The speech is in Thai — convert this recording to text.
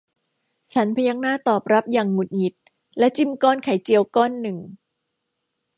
ฉันพยักหน้าตอบรับอย่างหงุดหงิดและจิ้มก้อนไข่เจียวก้อนหนึ่ง